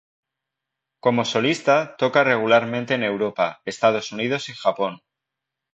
Como solista, toca regularmente en Europa, Estados Unidos y Japón.